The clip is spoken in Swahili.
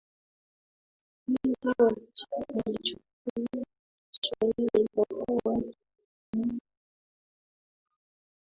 wengi walikichukia kiswahili kwa kuwa kilitumiwa na waarabu